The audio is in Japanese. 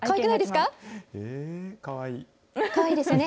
かわいいですよね。